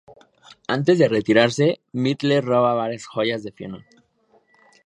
Antes de retirarse, Myrtle roba varias joyas de Fiona.